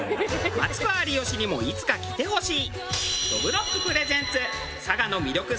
マツコ有吉にもいつか来てほしい。